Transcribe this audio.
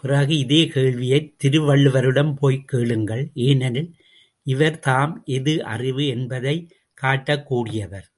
பிறகு இதே கேள்வியைத் திருவள்ளுவரிடம் போய்க் கேளுங்கள், ஏனெனில், இவர் தாம் எது அறிவு? என்பதைக் காட்டகூடியவர்.